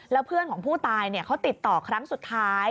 แล้วเพื่อนของผู้ตายเขาติดต่อครั้งสุดท้าย